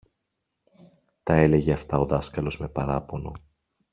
Τα έλεγε αυτά ο δάσκαλος με παράπονο